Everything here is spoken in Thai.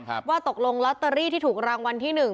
ว่าตกลงลอตเตอรี่ที่ถูกรางวัลที่หนึ่ง